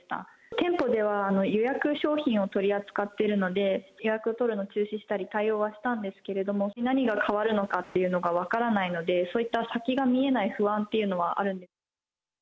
店舗では予約商品を取り扱っているので、予約を取るのを中止したり、対応したりしたんですけれども、何が変わるのかというのが分からないので、そういった先が見えない不安というのはあるんですけど。